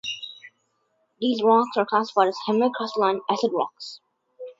These rocks are classified as "hemi-crystalline acid rocks".